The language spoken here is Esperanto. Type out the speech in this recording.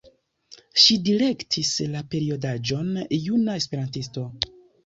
Ŝi direktis la periodaĵon „Juna Esperantisto“.